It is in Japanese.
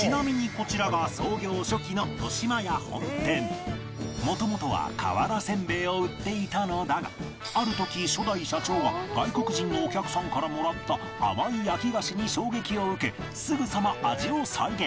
こちらが元々は瓦煎餅を売っていたのだがある時初代社長が外国人のお客さんからもらった甘い焼き菓子に衝撃を受けすぐさま味を再現